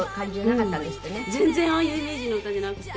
全然ああいうイメージの歌じゃなくて。